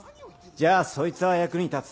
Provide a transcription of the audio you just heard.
じゃあそいつは役に立つ。